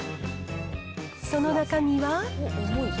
その中身は。